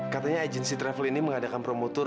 katanya agensi travel ini mengadakan promo tour